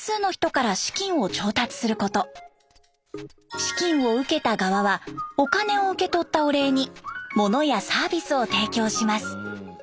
資金を受けた側はお金を受け取ったお礼に物やサービスを提供します。